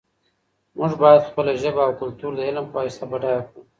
موږ باید خپله ژبه او کلتور د علم په واسطه بډایه کړو.